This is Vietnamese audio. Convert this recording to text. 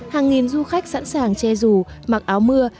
hàng nghìn du khách sẵn sàng che rù mặc áo mưa